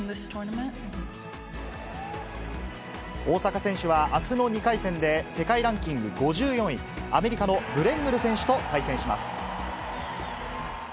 大坂選手は、あすの２回戦で世界ランキング５４位、アメリカのブレングル選手と対戦します。